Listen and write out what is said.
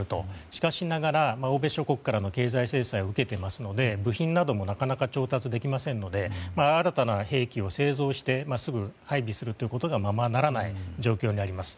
しかしながら欧米諸国からの経済制裁を受けていますので部品などもなかなか調達できませんので新たな兵器を製造して配備することがままならない状況になります。